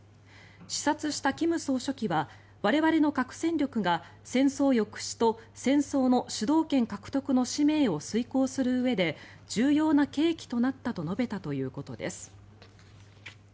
視察した金総書記は我々の核戦力が戦争抑止と戦争の主導権獲得の使命を遂行するうえで重要な契機となったと述べたということです。